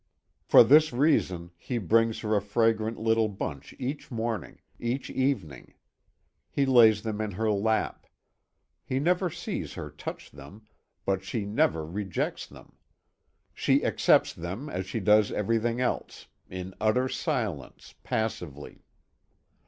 For this reason, he brings her a fragrant little bunch each morning, each evening. He lays them in her lap. He never sees her touch them, but she never rejects them. She accepts them as she does everything else, in utter silence, passively.